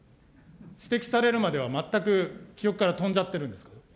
指摘されるまでは、全く記憶から飛んじゃってるんですか。